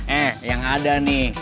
eh yang ada nih